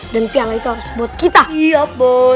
dan piala itu sebut kita iya boy satu ratus dua puluh tiga